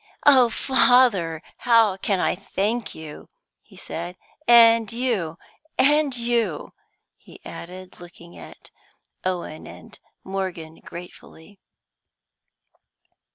"Oh, father, how can I thank you!" he said. "And you! and you!" he added, looking at Owen and Morgan gratefully.